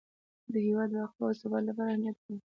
د هیواد بقا او ثبات لپاره اهمیت لري.